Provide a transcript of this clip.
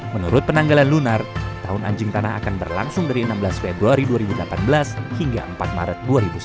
menurut penanggalan lunar tahun anjing tanah akan berlangsung dari enam belas februari dua ribu delapan belas hingga empat maret dua ribu sembilan belas